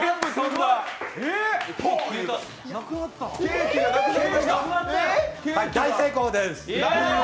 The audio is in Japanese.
はい、大成功です。